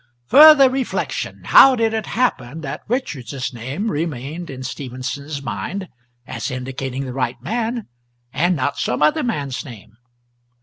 Further reflection. How did it happen that Richards's name remained in Stephenson's mind as indicating the right man, and not some other man's name?